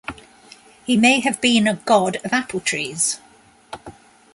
He may have been a god of apple trees.